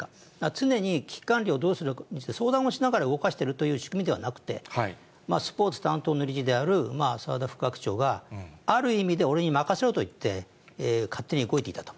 常に危機管理をどうするか相談をしながら動かしているという仕組みではなくて、スポーツ担当の理事である澤田副学長が、ある意味で俺に任せろと言って、勝手に動いていたと。